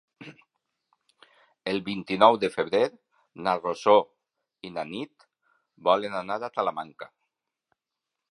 El vint-i-nou de febrer na Rosó i na Nit volen anar a Talamanca.